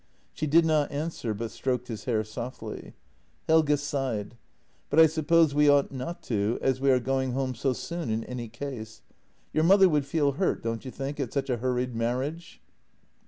She did not answer, but stroked his hair softly. Helge sighed :" But I suppose we ought not to, as we are going home so soon in any case. Your mother would feel hurt, don't you think, at such a hurried marriage?